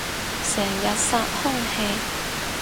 成日殺空氣